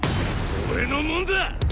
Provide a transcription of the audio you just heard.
俺のもんだ！